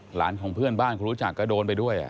หลานของเพื่อนบ้านคนรู้จักก็โดนไปด้วย